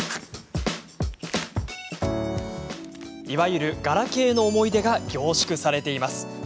いわゆるガラケーの思い出が凝縮されています。